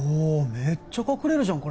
めっちゃ隠れるじゃん